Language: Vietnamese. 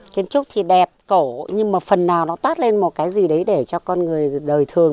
kiến trúc thì đẹp cổ nhưng mà phần nào nó toát lên một cái gì đấy để cho con người đời thường